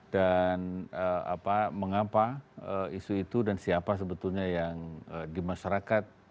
dan mengapa isu itu dan siapa sebetulnya yang di masyarakat